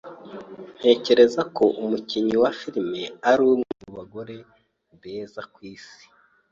Ntekereza ko umukinnyi wa filime ari umwe mu bagore beza ku isi.